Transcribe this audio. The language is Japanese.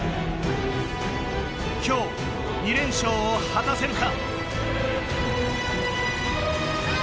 きょう、２連勝を果たせるか。